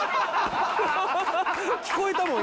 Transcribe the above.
聞こえたもん